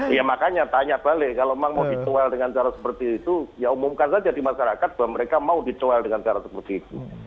iya makanya tanya balik kalau memang mau ditowel dengan cara seperti itu ya umumkan saja di masyarakat bahwa mereka mau ditowel dengan cara seperti itu